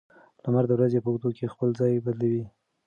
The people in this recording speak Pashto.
لمر د ورځې په اوږدو کې خپل ځای بدلوي.